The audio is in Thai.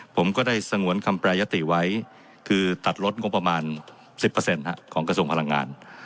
ผมก็ได้สงวนคำแปรยติไว้คือตัดลดงบประมาณ๑๐ของกระทรวงพลังงาน